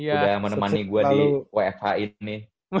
udah menemani gue di wfh ini